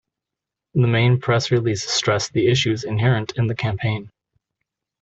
The main press release stressed the issues inherent in the campaign.